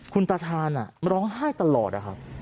คุณตาชาญร้องไห้ตลอดนะครับ